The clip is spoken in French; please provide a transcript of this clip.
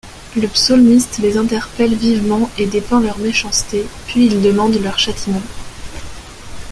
Le psaulmiste les interpelle vivement et dépeint leur méchanceté, puis il demande leur châtiment.